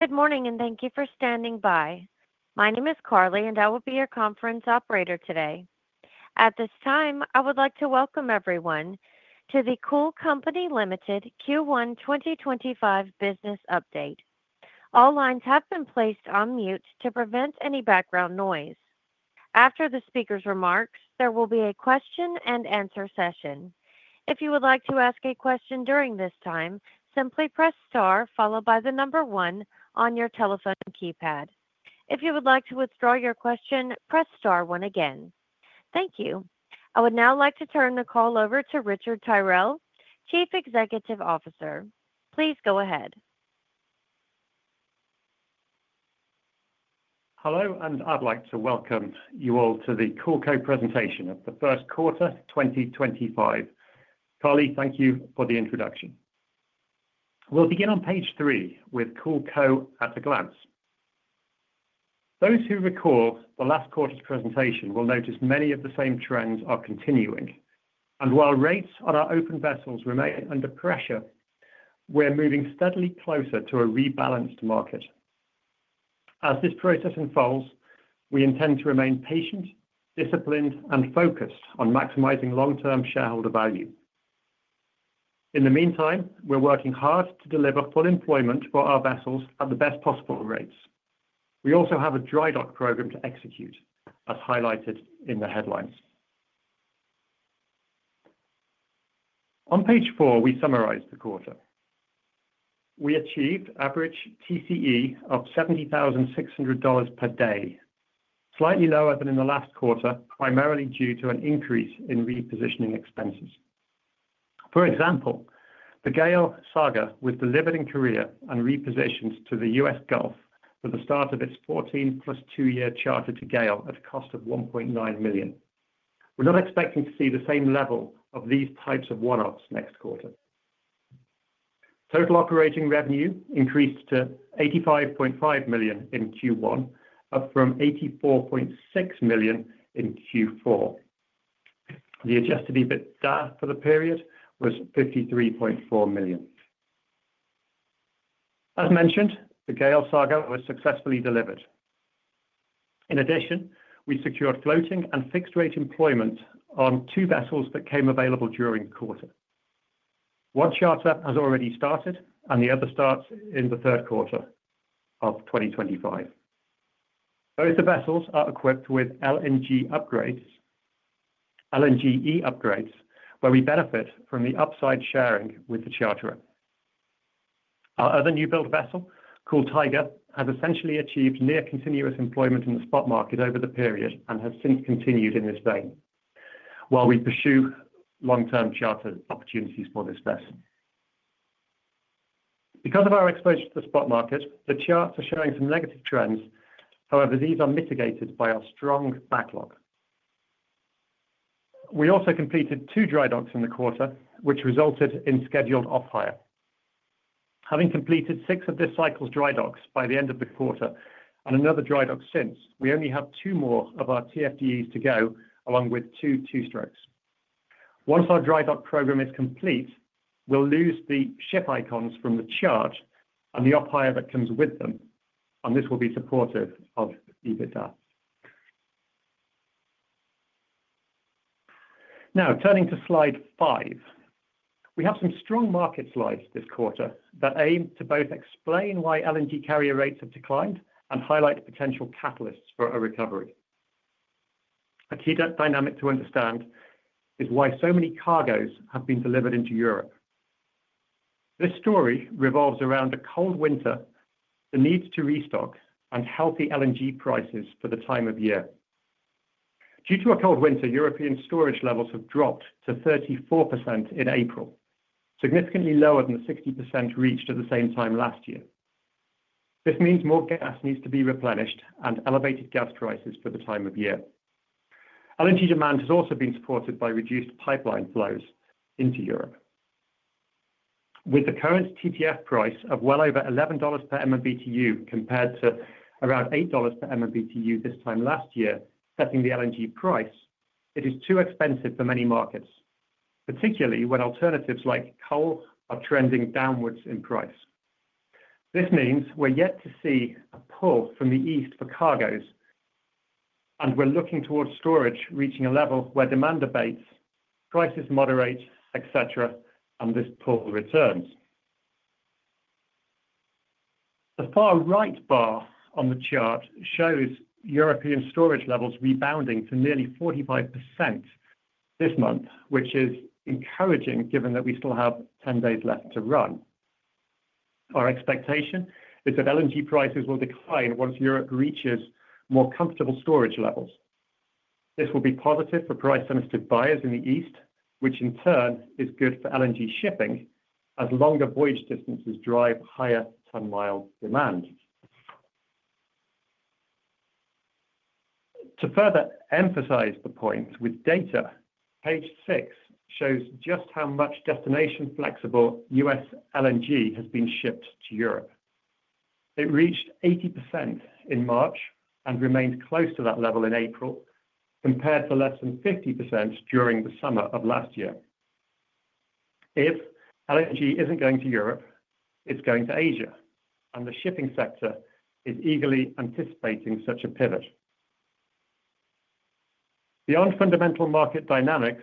Good morning and thank you for standing by. My name is Carly, and I will be your conference operator today. At this time, I would like to welcome everyone to the Cool Company Ltd Q1 2025 business update. All lines have been placed on mute to prevent any background noise. After the speaker's remarks, there will be a question-and-answer session. If you would like to ask a question during this time, simply press star followed by the number one on your telephone keypad. If you would like to withdraw your question, press star one again. Thank you. I would now like to turn the call over to Richard Tyrrell, Chief Executive Officer. Please go ahead. Hello, and I'd like to welcome you all to the Cool Company presentation of the first quarter 2025. Carly, thank you for the introduction. We'll begin on page three with Cool Company at a glance. Those who recall the last quarter's presentation will notice many of the same trends are continuing. While rates on our open vessels remain under pressure, we're moving steadily closer to a rebalanced market. As this process unfolds, we intend to remain patient, disciplined, and focused on maximizing long-term shareholder value. In the meantime, we're working hard to deliver full employment for our vessels at the best possible rates. We also have a dry dock program to execute, as highlighted in the headlines. On page four, we summarize the quarter. We achieved average TCE of $70,600 per day, slightly lower than in the last quarter, primarily due to an increase in repositioning expenses. For example, the Gale Sagar was delivered in Korea and repositioned to the US Gulf for the start of its 14+2 year charter to GAIL at a cost of $1.9 million. We're not expecting to see the same level of these types of one-offs next quarter. Total operating revenue increased to $85.5 million in Q1, up from $84.6 million in Q4. The adjusted EBITDA for the period was $53.4 million. As mentioned, the Gale Sagar was successfully delivered. In addition, we secured floating and fixed rate employment on two vessels that came available during the quarter. One charter has already started, and the other starts in the third quarter of 2025. Both the vessels are equipped with LNG upgrades, where we benefit from the upside sharing with the charter. Our other newbuild vessel, Cool Tiger, has essentially achieved near continuous employment in the spot market over the period and has since continued in this vein, while we pursue long-term charter opportunities for this vessel. Because of our exposure to the spot market, the charts are showing some negative trends. However, these are mitigated by our strong backlog. We also completed two dry docks in the quarter, which resulted in scheduled off-hire. Having completed six of this cycle's dry docks by the end of the quarter and another dry dock since, we only have two more of our TFDEs to go, along with two two-strokes. Once our dry dock program is complete, we'll lose the ship icons from the chart and the off-hire that comes with them, and this will be supportive of EBITDA. Now, turning to slide five, we have some strong market slides this quarter that aim to both explain why LNG carrier rates have declined and highlight potential catalysts for a recovery. A key dynamic to understand is why so many cargoes have been delivered into Europe. This story revolves around a cold winter, the need to restock, and healthy LNG prices for the time of year. Due to a cold winter, European storage levels have dropped to 34% in April, significantly lower than the 60% reached at the same time last year. This means more gas needs to be replenished and elevated gas prices for the time of year. LNG demand has also been supported by reduced pipeline flows into Europe. With the current TTF price of well over $11 per MMBTU compared to around $8 per MMBTU this time last year, setting the LNG price, it is too expensive for many markets, particularly when alternatives like coal are trending downwards in price. This means we're yet to see a pull from the east for cargoes, and we're looking towards storage reaching a level where demand abates, prices moderate, etc., and this pull returns. The far right bar on the chart shows European storage levels rebounding to nearly 45% this month, which is encouraging given that we still have 10 days left to run. Our expectation is that LNG prices will decline once Europe reaches more comfortable storage levels. This will be positive for price-sensitive buyers in the east, which in turn is good for LNG shipping, as longer voyage distances drive higher ton-mile demand. To further emphasize the point with data, page six shows just how much destination-flexible US LNG has been shipped to Europe. It reached 80% in March and remained close to that level in April compared to less than 50% during the summer of last year. If LNG is not going to Europe, it is going to Asia, and the shipping sector is eagerly anticipating such a pivot. Beyond fundamental market dynamics,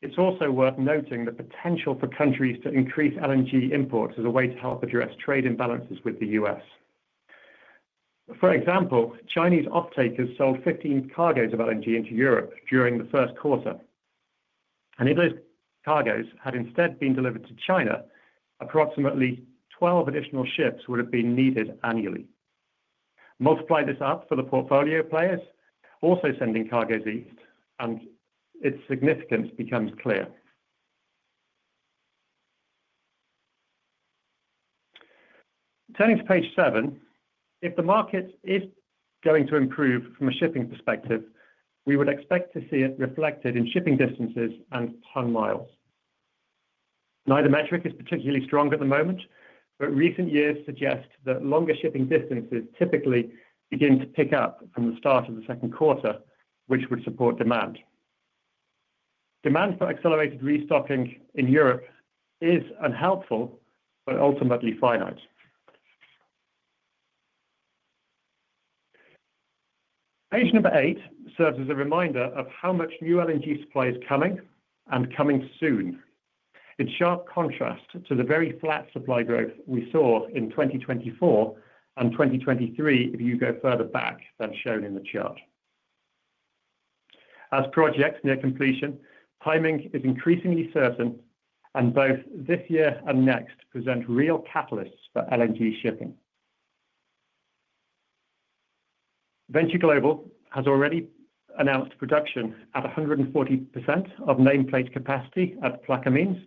it is also worth noting the potential for countries to increase LNG imports as a way to help address trade imbalances with the US. For example, Chinese off-takers sold 15 cargoes of LNG into Europe during the first quarter. If those cargoes had instead been delivered to China, approximately 12 additional ships would have been needed annually. Multiply this up for the portfolio players, also sending cargoes east, and its significance becomes clear. Turning to page seven, if the market is going to improve from a shipping perspective, we would expect to see it reflected in shipping distances and ton miles. Neither metric is particularly strong at the moment, but recent years suggest that longer shipping distances typically begin to pick up from the start of the second quarter, which would support demand. Demand for accelerated restocking in Europe is unhelpful but ultimately finite. Page number eight serves as a reminder of how much new LNG supply is coming and coming soon. It is sharp contrast to the very flat supply growth we saw in 2024 and 2023 if you go further back than shown in the chart. As projects near completion, timing is increasingly certain, and both this year and next present real catalysts for LNG shipping. Venture Global has already announced production at 140% of nameplate capacity at Plaquemines.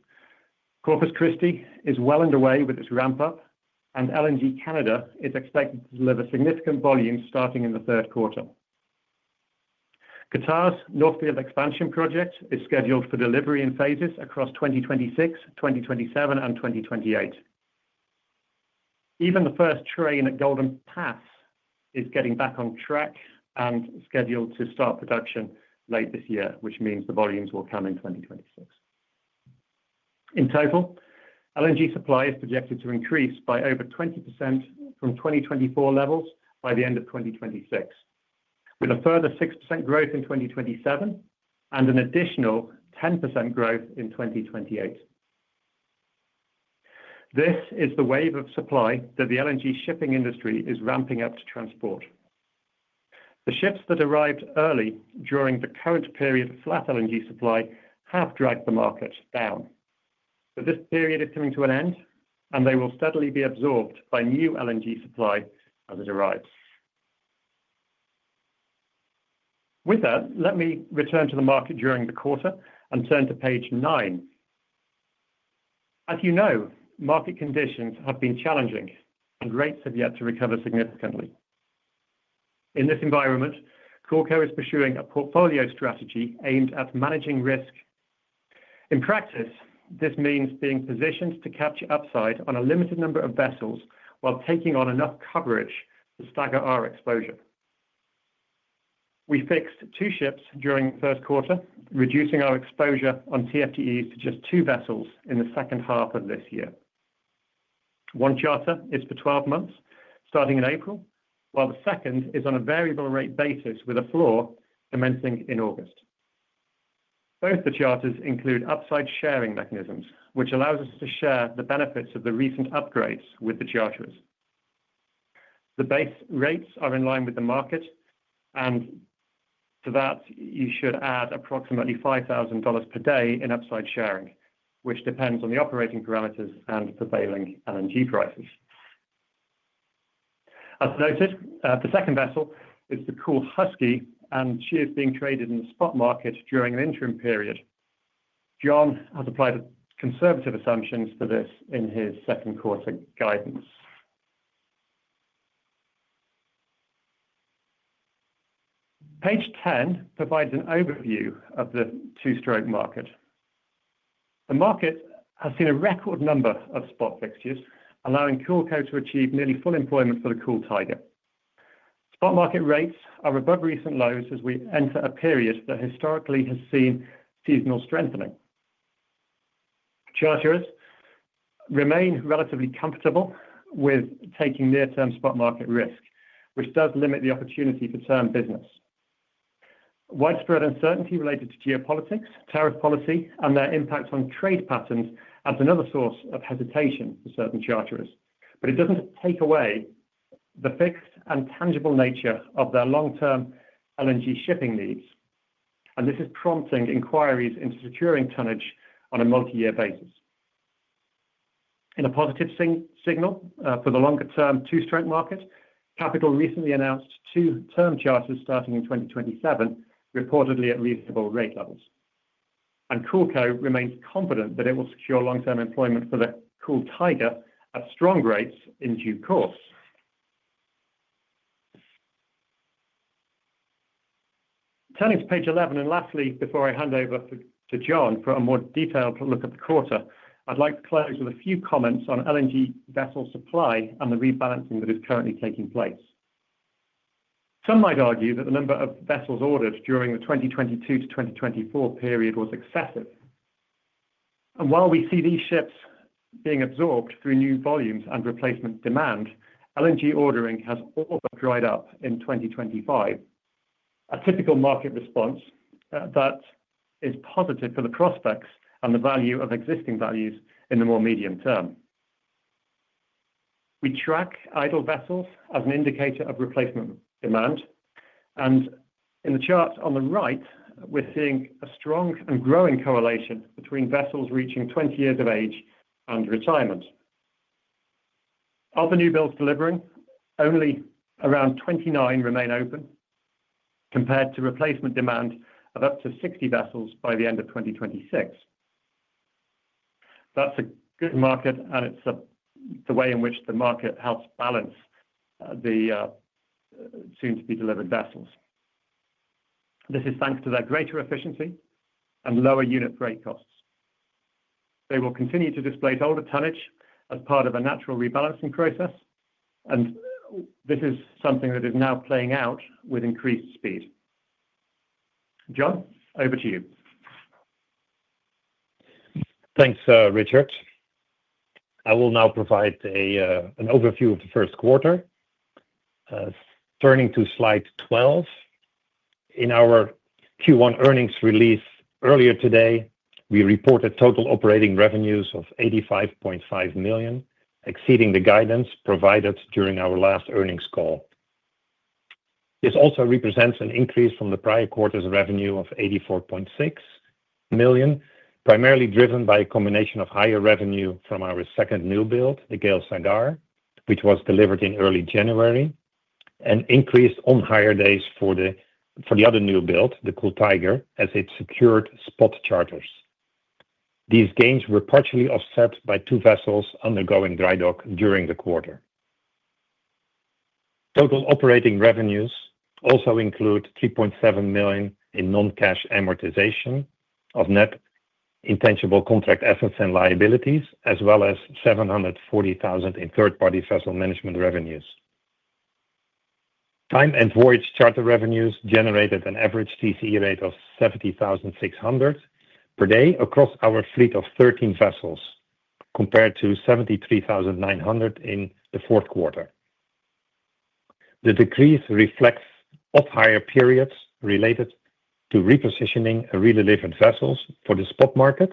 Corpus Christi is well underway with its ramp-up, and LNG Canada is expected to deliver significant volume starting in the third quarter. Qatar's North Field expansion project is scheduled for delivery in phases across 2026, 2027, and 2028. Even the first train at Golden Pass is getting back on track and scheduled to start production late this year, which means the volumes will come in 2026. In total, LNG supply is projected to increase by over 20% from 2024 levels by the end of 2026, with a further 6% growth in 2027 and an additional 10% growth in 2028. This is the wave of supply that the LNG shipping industry is ramping up to transport. The ships that arrived early during the current period of flat LNG supply have dragged the market down. This period is coming to an end, and they will steadily be absorbed by new LNG supply as it arrives. With that, let me return to the market during the quarter and turn to page nine. As you know, market conditions have been challenging, and rates have yet to recover significantly. In this environment, Cool Company is pursuing a portfolio strategy aimed at managing risk. In practice, this means being positioned to capture upside on a limited number of vessels while taking on enough coverage to stagger our exposure. We fixed two ships during the first quarter, reducing our exposure on TFDEs to just two vessels in the second half of this year. One charter is for 12 months, starting in April, while the second is on a variable rate basis with a floor commencing in August. Both the charters include upside sharing mechanisms, which allows us to share the benefits of the recent upgrades with the charterers. The base rates are in line with the market, and to that, you should add approximately $5,000 per day in upside sharing, which depends on the operating parameters and prevailing LNG prices. As noted, the second vessel is the Cool Husky, and she is being traded in the spot market during an interim period. John has applied conservative assumptions for this in his second quarter guidance. Page 10 provides an overview of the two-stroke market. The market has seen a record number of spot fixtures, allowing Cool Company to achieve nearly full employment for the Cool Tiger. Spot market rates are above recent lows as we enter a period that historically has seen seasonal strengthening. Charterers remain relatively comfortable with taking near-term spot market risk, which does limit the opportunity for term business. Widespread uncertainty related to geopolitics, tariff policy, and their impact on trade patterns adds another source of hesitation for certain charterers. It does not take away the fixed and tangible nature of their long-term LNG shipping needs, and this is prompting inquiries into securing tonnage on a multi-year basis. In a positive signal for the longer-term two-stroke market, Capital Gas recently announced two term charters starting in 2027, reportedly at reasonable rate levels. Cool Company remains confident that it will secure long-term employment for the Cool Tiger at strong rates in due course. Turning to page 11, and lastly, before I hand over to John for a more detailed look at the quarter, I'd like to close with a few comments on LNG vessel supply and the rebalancing that is currently taking place. Some might argue that the number of vessels ordered during the 2022 to 2024 period was excessive. While we see these ships being absorbed through new volumes and replacement demand, LNG ordering has also dried up in 2025, a typical market response that is positive for the prospects and the value of existing vessels in the more medium term. We track idle vessels as an indicator of replacement demand, and in the chart on the right, we're seeing a strong and growing correlation between vessels reaching 20 years of age and retirement. Of the new builds delivering, only around 29 remain open compared to replacement demand of up to 60 vessels by the end of 2026. That's a good market, and it's the way in which the market helps balance the soon-to-be-delivered vessels. This is thanks to their greater efficiency and lower unit freight costs. They will continue to displace older tonnage as part of a natural rebalancing process, and this is something that is now playing out with increased speed. John, over to you. Thanks, Richard. I will now provide an overview of the first quarter. Turning to slide 12, in our Q1 earnings release earlier today, we reported total operating revenues of $85.5 million, exceeding the guidance provided during our last earnings call. This also represents an increase from the prior quarter's revenue of $84.6 million, primarily driven by a combination of higher revenue from our second newbuild, the Gale Sagar, which was delivered in early January, and increased on-hire days for the other newbuild, the Cool Tiger, as it secured spot charters. These gains were partially offset by two vessels undergoing dry dock during the quarter. Total operating revenues also include $3.7 million in non-cash amortization of net intangible contract assets and liabilities, as well as $740,000 in third-party vessel management revenues. Time and voyage charter revenues generated an average TCE rate of $70,600 per day across our fleet of 13 vessels, compared to $73,900 in the fourth quarter. The decrease reflects off-hire periods related to repositioning re-delivered vessels for the spot market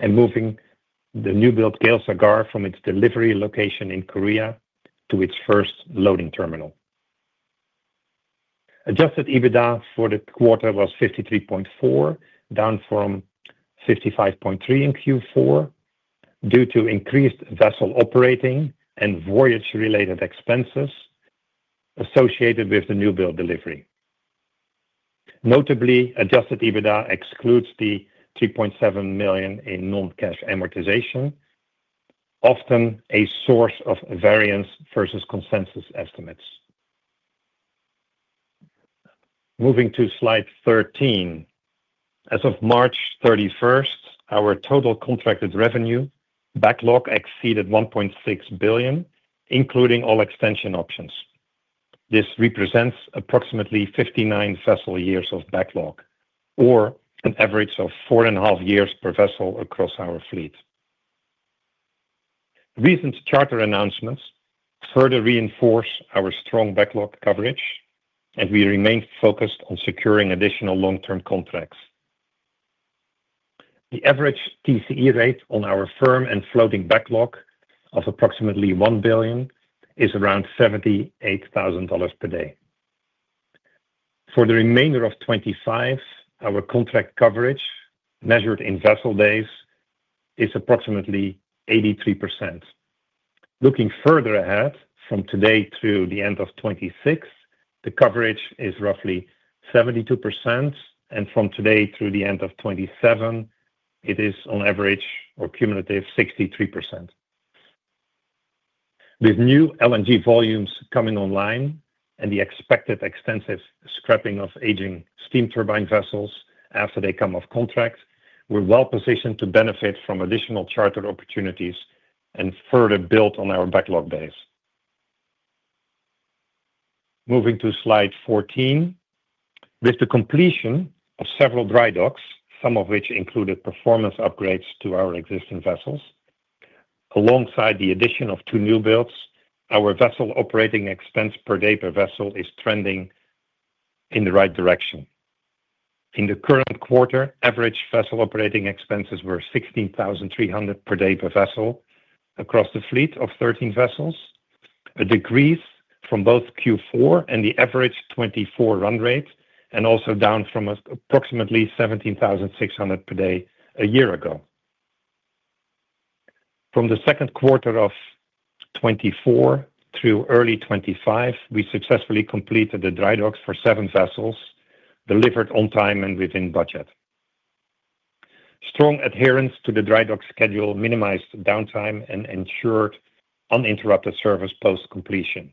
and moving the newbuild Gale Sagar from its delivery location in Korea to its first loading terminal. Adjusted EBITDA for the quarter was $53.4 million, down from $55.3 million in Q4 due to increased vessel operating and voyage-related expenses associated with the newbuild delivery. Notably, adjusted EBITDA excludes the $3.7 million in non-cash amortization, often a source of variance versus consensus estimates. Moving to slide 13, as of March 31, our total contracted revenue backlog exceeded $1.6 billion, including all extension options. This represents approximately 59 vessel years of backlog, or an average of four and a half years per vessel across our fleet. Recent charter announcements further reinforce our strong backlog coverage, and we remain focused on securing additional long-term contracts. The average TCE rate on our firm and floating backlog of approximately $1 billion is around $78,000 per day. For the remainder of 2025, our contract coverage, measured in vessel days, is approximately 83%. Looking further ahead from today through the end of 2026, the coverage is roughly 72%, and from today through the end of 2027, it is on average or cumulative 63%. With new LNG volumes coming online and the expected extensive scrapping of aging steam turbine vessels after they come off contract, we are well positioned to benefit from additional charter opportunities and further build on our backlog days. Moving to slide 14, with the completion of several dry docks, some of which included performance upgrades to our existing vessels, alongside the addition of two new builds, our vessel operating expense per day per vessel is trending in the right direction. In the current quarter, average vessel operating expenses were $16,300 per day per vessel across the fleet of 13 vessels, a decrease from both Q4 and the average 2024 run rate, and also down from approximately $17,600 per day a year ago. From the second quarter of 2024 through early 2025, we successfully completed the dry docks for seven vessels, delivered on time and within budget. Strong adherence to the dry dock schedule minimized downtime and ensured uninterrupted service post-completion.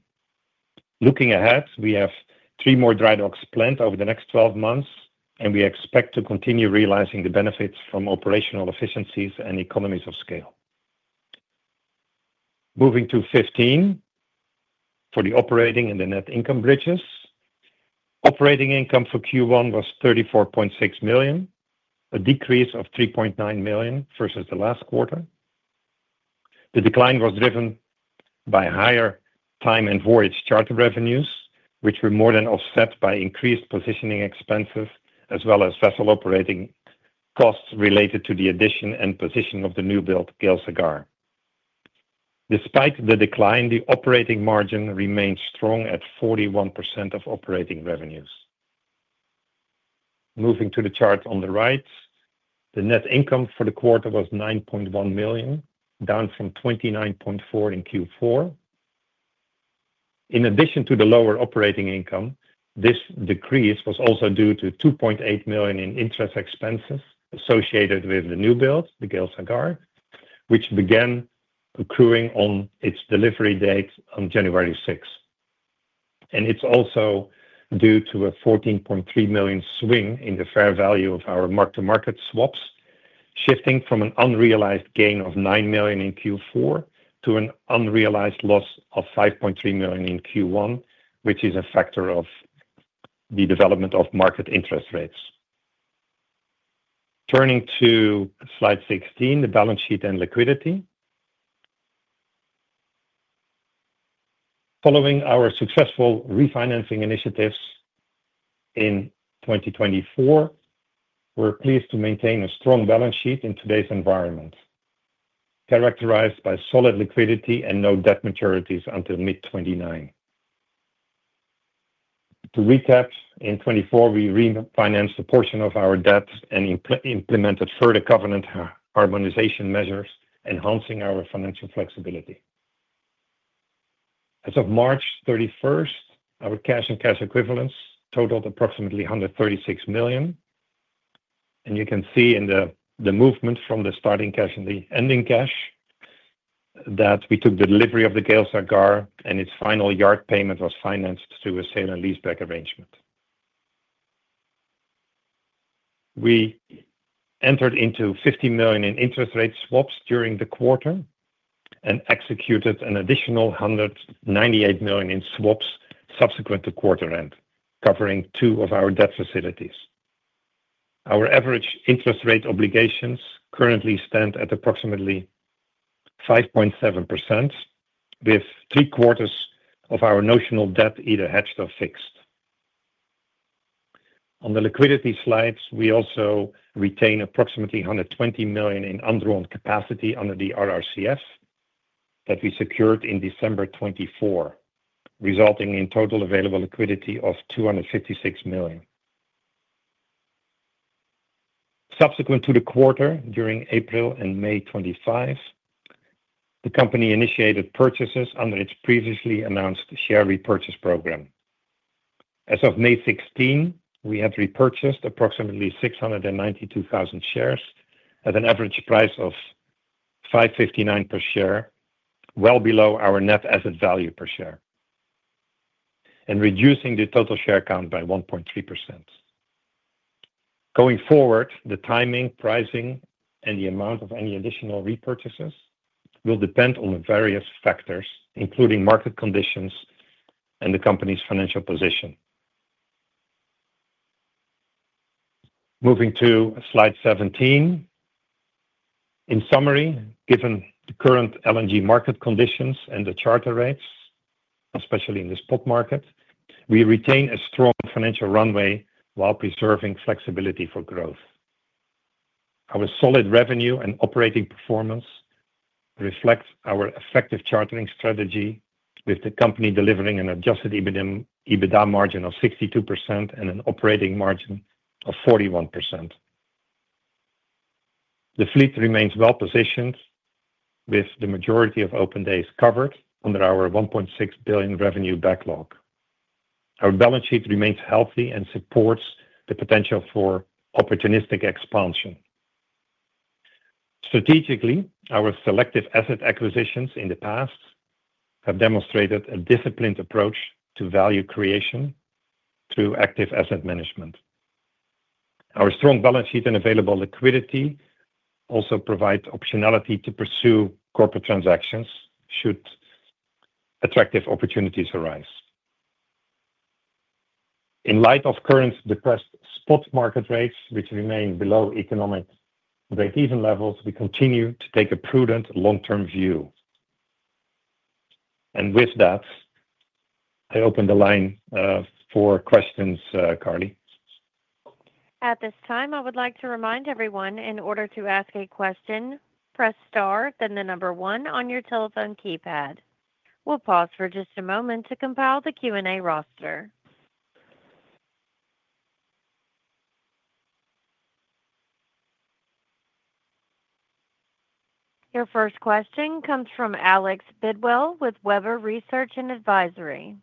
Looking ahead, we have three more dry docks planned over the next 12 months, and we expect to continue realizing the benefits from operational efficiencies and economies of scale. Moving to 2015, for the operating and the net income bridges, operating income for Q1 was $34.6 million, a decrease of $3.9 million versus the last quarter. The decline was driven by higher time and voyage charter revenues, which were more than offset by increased positioning expenses, as well as vessel operating costs related to the addition and positioning of the newbuild Gale Sagar. Despite the decline, the operating margin remained strong at 41% of operating revenues. Moving to the chart on the right, the net income for the quarter was $9.1 million, down from $29.4 million in Q4. In addition to the lower operating income, this decrease was also due to $2.8 million in interest expenses associated with the newbuild, the Gale Sagar, which began accruing on its delivery date on January 6. It is also due to a $14.3 million swing in the fair value of our mark-to-market swaps, shifting from an unrealized gain of $9 million in Q4 to an unrealized loss of $5.3 million in Q1, which is a factor of the development of market interest rates. Turning to slide 16, the balance sheet and liquidity. Following our successful refinancing initiatives in 2024, we're pleased to maintain a strong balance sheet in today's environment, characterized by solid liquidity and no debt maturities until mid-2029. To recap, in 2024, we refinanced a portion of our debt and implemented further covenant harmonization measures, enhancing our financial flexibility. As of March 31, our cash and cash equivalents totaled approximately $136 million. You can see in the movement from the starting cash and the ending cash that we took the delivery of the Gale Sagar, and its final yard payment was financed through a sale and leaseback arrangement. We entered into $50 million in interest rate swaps during the quarter and executed an additional $198 million in swaps subsequent to quarter end, covering two of our debt facilities. Our average interest rate obligations currently stand at approximately 5.7%, with three quarters of our notional debt either hedged or fixed. On the liquidity slides, we also retain approximately $120 million in undrawn capacity under the RRCF that we secured in December 2024, resulting in total available liquidity of $256 million. Subsequent to the quarter, during April and May 2025, the company initiated purchases under its previously announced share repurchase program. As of May 16, we had repurchased approximately 692,000 shares at an average price of $5.59 per share, well below our net asset value per share, and reducing the total share count by 1.3%. Going forward, the timing, pricing, and the amount of any additional repurchases will depend on various factors, including market conditions and the company's financial position. Moving to slide 17. In summary, given the current LNG market conditions and the charter rates, especially in the spot market, we retain a strong financial runway while preserving flexibility for growth. Our solid revenue and operating performance reflect our effective chartering strategy, with the company delivering an adjusted EBITDA margin of 62% and an operating margin of 41%. The fleet remains well positioned, with the majority of open days covered under our $1.6 billion revenue backlog. Our balance sheet remains healthy and supports the potential for opportunistic expansion. Strategically, our selective asset acquisitions in the past have demonstrated a disciplined approach to value creation through active asset management. Our strong balance sheet and available liquidity also provide optionality to pursue corporate transactions should attractive opportunities arise. In light of current depressed spot market rates, which remain below economic break-even levels, we continue to take a prudent long-term view. With that, I open the line for questions, Carly. At this time, I would like to remind everyone, in order to ask a question, press star, then the number one on your telephone keypad. We'll pause for just a moment to compile the Q&A roster. Your first question comes from Alex Bidwell with Weber Research & Advisory.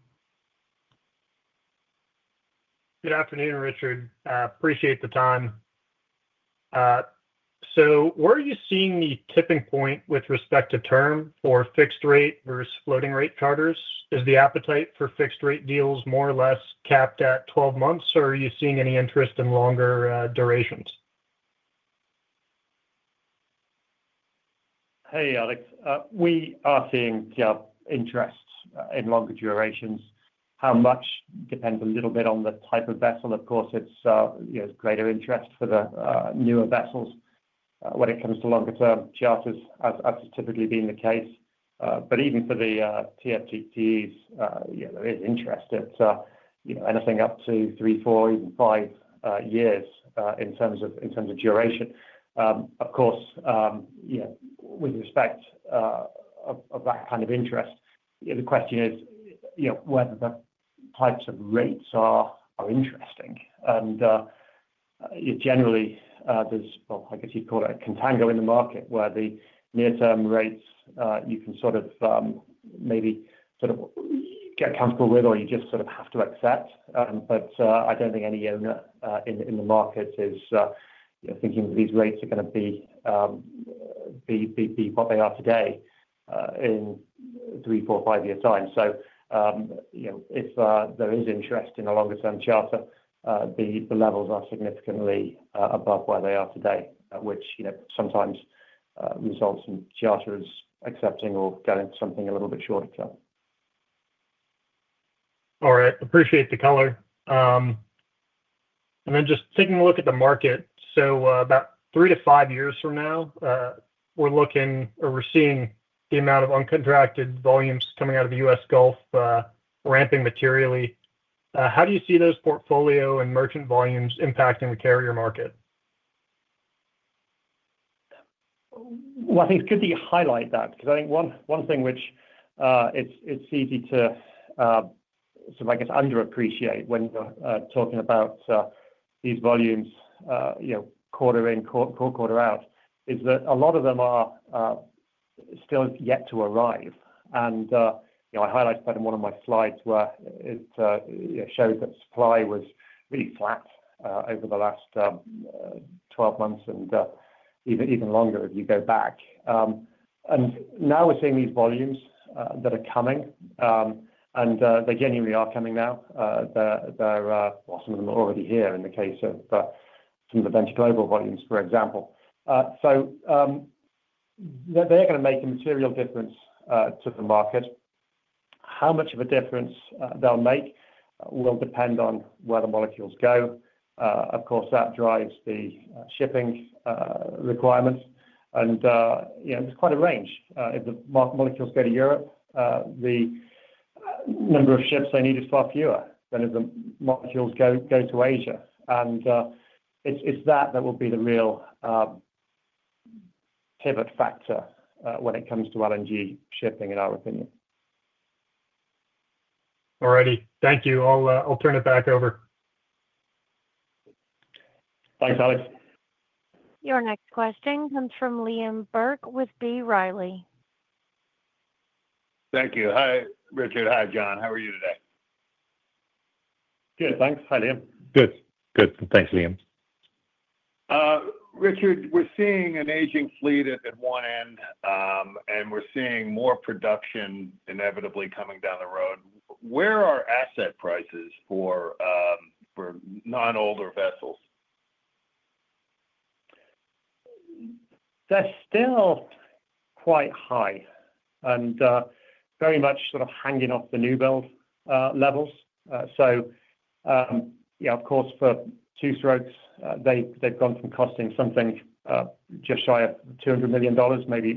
Good afternoon, Richard. Appreciate the time. Where are you seeing the tipping point with respect to term for fixed rate versus floating rate charters? Is the appetite for fixed rate deals more or less capped at 12 months, or are you seeing any interest in longer durations? Hey, Alex. We are seeing interest in longer durations. How much depends a little bit on the type of vessel. Of course, it is greater interest for the newer vessels when it comes to longer-term charters, as has typically been the case. Even for the TFDEs, there is interest at anything up to three, four, even five years in terms of duration. Of course, with respect to that kind of interest, the question is whether the types of rates are interesting. Generally, there's, I guess you'd call it a contango in the market where the near-term rates you can sort of maybe sort of get comfortable with, or you just sort of have to accept. I don't think any owner in the market is thinking that these rates are going to be what they are today in three, four, five years' time. If there is interest in a longer-term charter, the levels are significantly above where they are today, which sometimes results in charters accepting or going to something a little bit shorter term. All right. Appreciate the color. Just taking a look at the market, about three to five years from now, we're looking or we're seeing the amount of uncontracted volumes coming out of the U.S. Gulf ramping materially. How do you see those portfolio and merchant volumes impacting the carrier market? I think it could be highlighted that because I think one thing which it's easy to, I guess, underappreciate when you're talking about these volumes quarter in, quarter out, is that a lot of them are still yet to arrive. I highlighted that in one of my slides where it showed that supply was really flat over the last 12 months and even longer if you go back. Now we're seeing these volumes that are coming, and they genuinely are coming now. Some of them are already here in the case of some of the Venture Global volumes, for example. They are going to make a material difference to the market. How much of a difference they'll make will depend on where the molecules go. Of course, that drives the shipping requirements. There's quite a range. If the molecules go to Europe, the number of ships they need is far fewer than if the molecules go to Asia. It is that that will be the real pivot factor when it comes to LNG shipping, in our opinion. All righty. Thank you. I'll turn it back over. Thanks, Alex. Your next question comes from Liam Burke with B. Riley. Thank you. Hi, Richard. Hi, John. How are you today? Good. Thanks. Hi, Liam. Good. Good. Thanks, Liam. Richard, we're seeing an aging fleet at one end, and we're seeing more production inevitably coming down the road. Where are asset prices for non-older vessels? They're still quite high and very much sort of hanging off the newbuild levels. Of course, for two-strokes, they've gone from costing something just shy of $200 million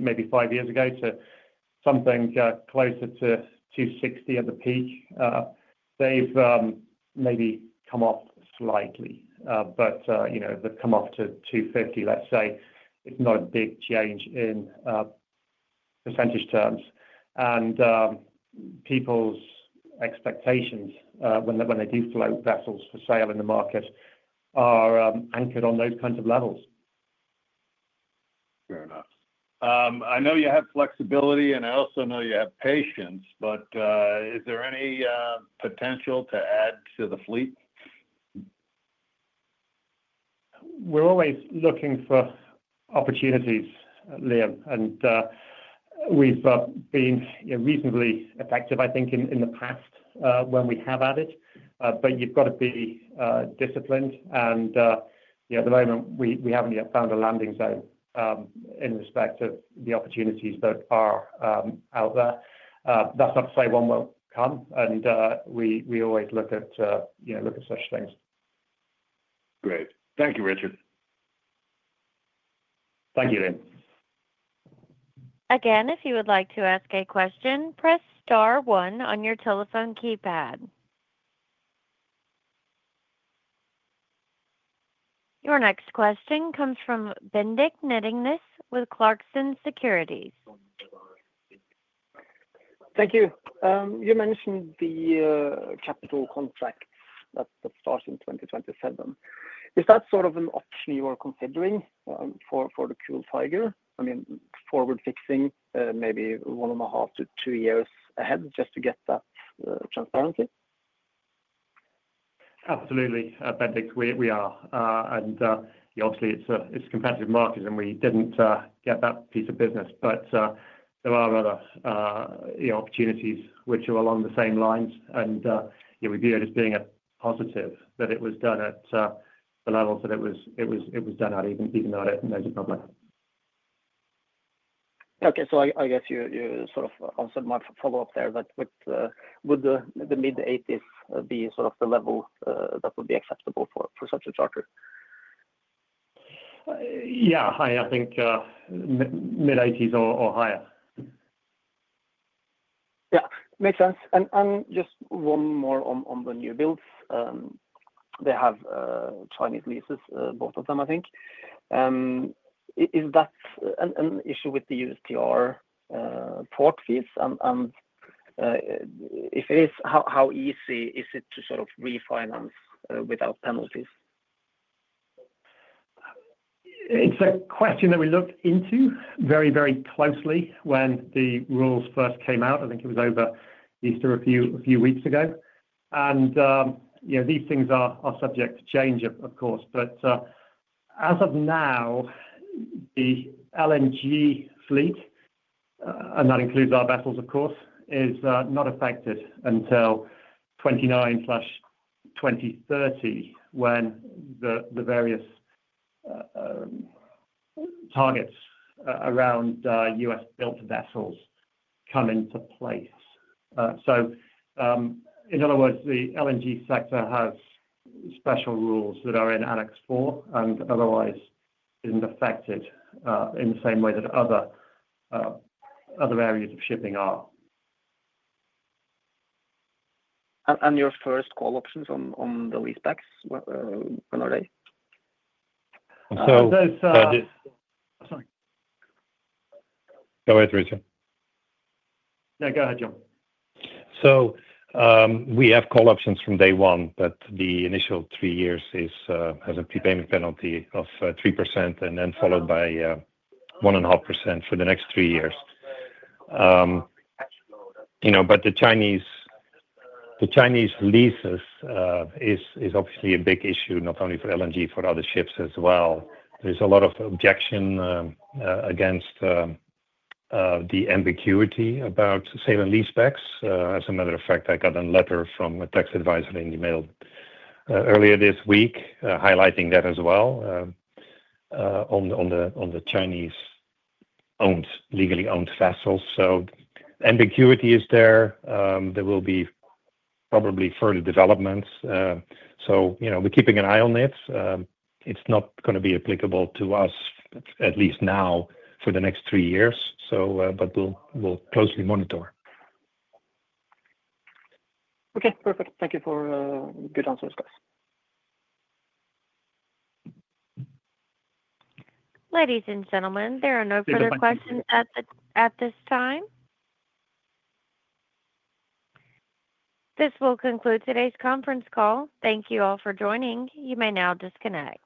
maybe five years ago to something closer to $260 million at the peak. They've maybe come off slightly, but they've come off to $250, let's say. It's not a big change in % terms. People's expectations when they do float vessels for sale in the market are anchored on those kinds of levels. Fair enough. I know you have flexibility, and I also know you have patience, but is there any potential to add to the fleet? We're always looking for opportunities, Liam, and we've been reasonably effective, I think, in the past when we have added. You've got to be disciplined. At the moment, we haven't yet found a landing zone in respect of the opportunities that are out there. That's not to say one won't come, and we always look at such things. Great. Thank you, Richard. Thank you, Liam. Again, if you would like to ask a question, press star one on your telephone keypad. Your next question comes from Bendik Nyttingnes with Clarksons Securities. Thank you. You mentioned the Capital Gas contracts that start in 2027. Is that sort of an option you are considering for the Cool Tiger? I mean, forward-fixing, maybe one and a half to two years ahead just to get that transparency? Absolutely. Bendik, we are. Obviously, it's a competitive market, and we did not get that piece of business. There are other opportunities which are along the same lines. We view it as being a positive that it was done at the levels that it was done at, even though it is not major public. Okay. I guess you sort of answered my follow-up there that would the mid-80s be sort of the level that would be acceptable for such a charter? Yeah. I think mid-80s or higher. Yeah. Makes sense. Just one more on the new builds. They have Chinese leases, both of them, I think. Is that an issue with the U.S. TR port fees? If it is, how easy is it to sort of refinance without penalties? It's a question that we looked into very, very closely when the rules first came out. I think it was over Easter a few weeks ago. These things are subject to change, of course. As of now, the LNG fleet, and that includes our vessels, of course, is not affected until 2029-2030 when the various targets around U.S.-built vessels come into place. In other words, the LNG sector has special rules that are in Annex 4 and otherwise is not affected in the same way that other areas of shipping are. Your first call options on the lease packs, when are they? Sorry. Go ahead, Richard. Yeah. Go ahead, John. We have call options from day one, but the initial three years has a prepayment penalty of 3% and then followed by 1.5% for the next three years. The Chinese leases is obviously a big issue, not only for LNG, for other ships as well. There is a lot of objection against the ambiguity about sale and lease packs. As a matter of fact, I got a letter from a tax advisor in the mail earlier this week highlighting that as well on the Chinese-owned, legally owned vessels. Ambiguity is there. There will be probably further developments. We are keeping an eye on it. It is not going to be applicable to us, at least now, for the next three years, but we will closely monitor. Okay. Perfect. Thank you for good answers, guys. Ladies and gentlemen, there are no further questions at this time. This will conclude today's conference call. Thank you all for joining. You may now disconnect.